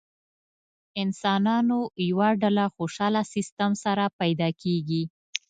انسانانو یوه ډله خوشاله سیستم سره پیدا کېږي.